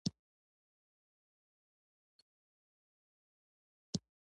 خان زمان وپوښتل، او باران به کوم توپیر رامنځته نه کړي؟